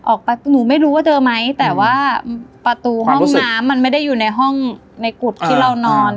ออกไปหนูไม่รู้ว่าเจอไหมแต่ว่าประตูห้องน้ำมันไม่ได้อยู่ในห้องในกุฎที่เรานอน